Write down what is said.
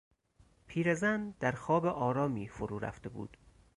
پیرزن در خواب آرامی فرورفته بود.